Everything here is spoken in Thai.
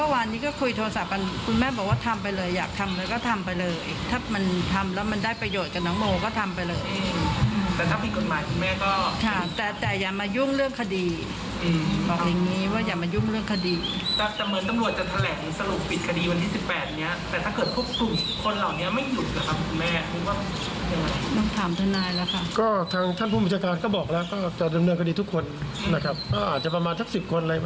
ว่าอย่ามายุ่งเรื่องคดี